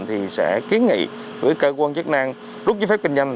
thì sẽ kiến nghị với cơ quan chức năng rút giấy phép kinh doanh